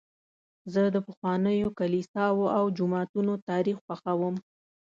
زه د پخوانیو کلیساوو او جوماتونو تاریخ خوښوم.